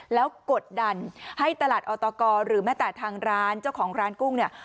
แล้วกดดันให้ตลาดออตกหรือแม้แต่ทางร้านเจ้าของร้านกุ้งเนี่ย